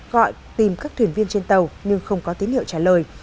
gọi tìm các thuyền viên trên tàu nhưng không có tín hiệu trả lời